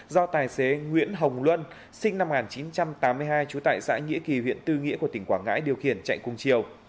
do tài xế nguyễn hồng luân sinh năm một nghìn chín trăm tám mươi hai trú tại xã nghĩa kỳ huyện tư nghĩa của tỉnh quảng ngãi điều khiển chạy cùng chiều